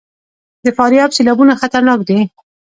د فاریاب سیلابونه خطرناک دي